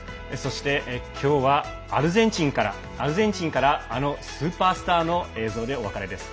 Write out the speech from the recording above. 今日はアルゼンチンからあのスーパースターの映像でお別れです。